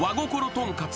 とんかつ